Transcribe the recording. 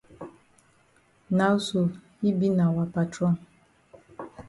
Now sl yi be na wa patron.